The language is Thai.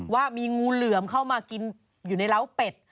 ว่ามีงูเหลือมเข้ามากินอยู่ในร้าวเป็ด